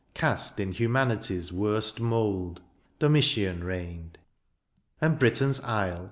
Cast in humanity^s worst mould, — Domitian reigned. And Britain^s isle.